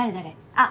あっ！